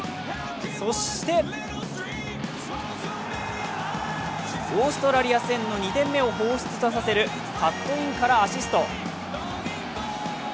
そしてオーストリア戦の２点目をほうふつさせるカットインからアシスト。